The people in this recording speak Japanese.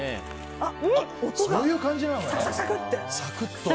そういう感じなのね。